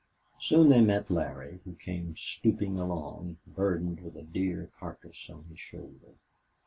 Soon they met Larry, who came stooping along, burdened with a deer carcass on his shoulder.